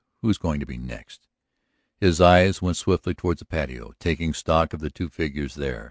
Who's going to be next?" His eyes went swiftly toward the patio, taking stock of the two figures there.